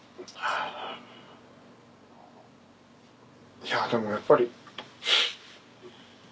いやでもやっぱり。